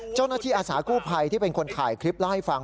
เจ้าหน้าที่อาสากู้ภัยที่เป็นคนข่ายคลิปแล้วให้ฟัง